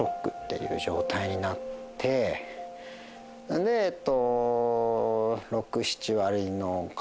でえっと。